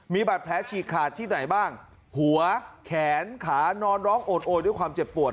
มีบาดแผลฉีกขาดที่ไหนบ้างหัวแขนขานอนร้องโอดโอยด้วยความเจ็บปวด